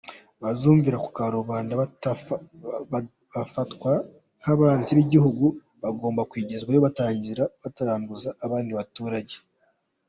Abazumvira ku karubanda bafatwa nk’abanzi b’igihugu bagomba kwigizwayo bataranduza abandi baturage.”